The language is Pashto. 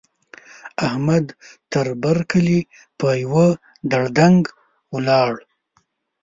احمد؛ تر بر کلي په يوه دړدنګ ولاړ.